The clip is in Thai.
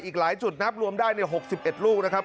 อีกหลายจุดนับรวมได้๖๑ลูกนะครับ